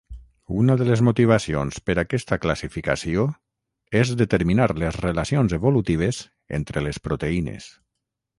Una de les motivacions per aquesta classificació és determinar les relacions evolutives entre les proteïnes.